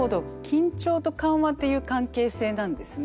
緊張と緩和っていう関係性なんですね。